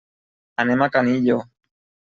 Anem a Canillo.